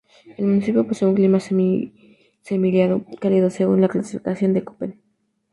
El municipio posee un clima seco semiárido cálido según con la clasificación de Köppen.